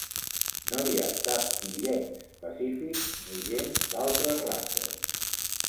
No hi ha cap illencs Pacífic ni gent d'altres races.